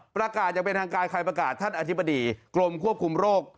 ประกาศอย่างเป็นทางการใครประกาศท่านอธิบดีกรมควบคุมโรค